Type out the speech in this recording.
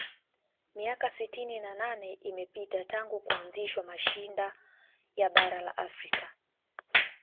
miaka sitini na nne imepita tangu kuanzishwa mashinda ya bara la afrika